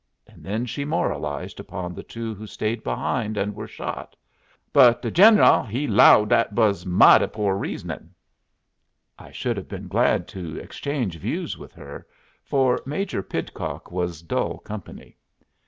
And then she moralized upon the two who stayed behind and were shot. "But de Gennul he 'low dat wuz mighty pore reasonin'." I should have been glad to exchange views with her, for Major Pidcock was dull company.